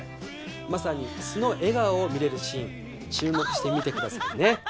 まさに素の笑顔を見れるシーン注目してみてくださいね。